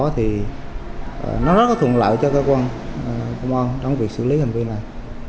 thì nó rất có thuận lợi cho cơ quan công an trong việc xử lý hành vi này